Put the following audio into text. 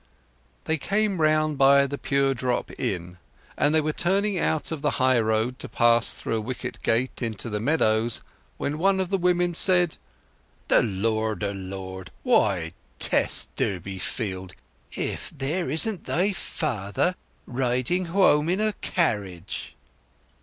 They came round by The Pure Drop Inn, and were turning out of the high road to pass through a wicket gate into the meadows, when one of the women said— "The Load a Lord! Why, Tess Durbeyfield, if there isn't thy father riding hwome in a carriage!"